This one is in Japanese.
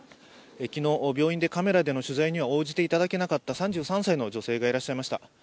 昨日、病院でカメラでの取材に応じていただけなかった３３歳の女性がいらっしゃいました。